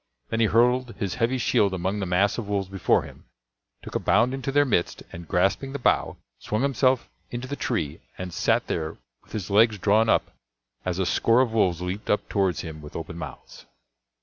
Then he hurled his heavy shield among the mass of wolves before him, took a bound into their midst, and grasping the bough, swung himself into the tree and sat there with his legs drawn up as a score of wolves leaped up towards him with open mouths.